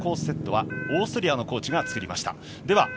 セットはオーストリアのコーチが作りました。